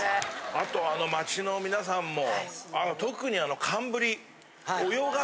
あと街の皆さんも特に。